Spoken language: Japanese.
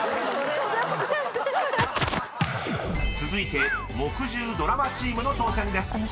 ［続いて木１０ドラマチームの挑戦です］